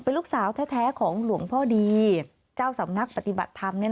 ลูกสาวแท้ของหลวงพ่อดีเจ้าสำนักปฏิบัติธรรมเนี่ย